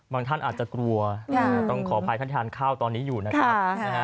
ท่านอาจจะกลัวต้องขออภัยท่านทานข้าวตอนนี้อยู่นะครับ